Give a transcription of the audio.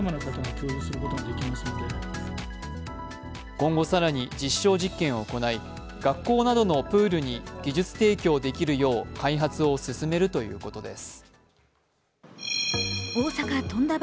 今後更に実証実験を行い、学校などのプールに技術提供できるよう、開発を進めるということです。